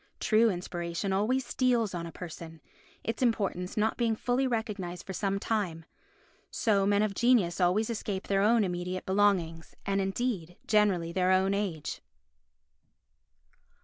True inspiration always steals on a person; its importance not being fully recognised for some time. So men of genius always escape their own immediate belongings, and indeed generally their own age.